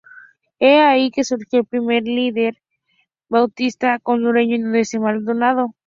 Es allí que surgió el primer líder bautista hondureño Inocente Maldonado.